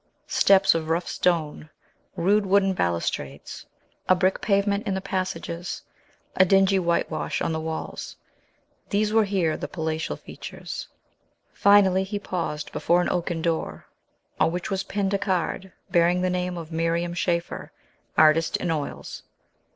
Steps of rough stone, rude wooden balustrades, a brick pavement in the passages, a dingy whitewash on the walls; these were here the palatial features. Finally, he paused before an oaken door, on which was pinned a card, bearing the name of Miriam Schaefer, artist in oils.